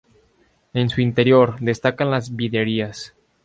En su interior destacan las vidrieras.